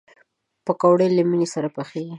پکورې له مینې سره پخېږي